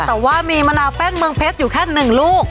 แต่ว่ามีมะนาวแป้นเมืองเพชรอยู่แค่๑ลูก